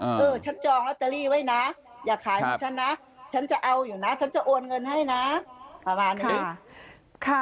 เออฉันจองลอตเตอรี่ไว้นะอย่าขายให้ฉันนะฉันจะเอาอยู่นะฉันจะโอนเงินให้นะประมาณนี้